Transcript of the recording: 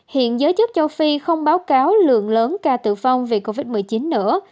hiện giới chức châu phi không báo cáo lượng lớn ca tử vong vì covid một mươi chín nữa